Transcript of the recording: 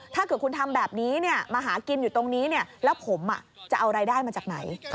ถ้าเกิดคุณทำแบบนี้มาหากินอยู่ตรงนี้แล้วผมจะเอารายได้มาจากไหน